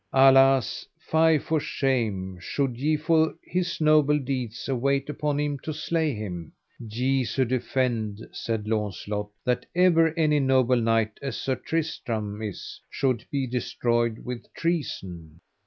Alas, fie for shame, should ye for his noble deeds await upon him to slay him. Jesu defend, said Launcelot, that ever any noble knight as Sir Tristram is should be destroyed with treason.